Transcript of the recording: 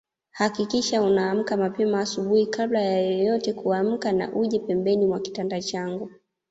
Hakikisha unaamka mapema asubuhi kabla ya yeyote kuamka na uje pembeni mwa kitanda changu